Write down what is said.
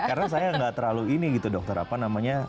karena saya gak terlalu ini gitu dokter apa namanya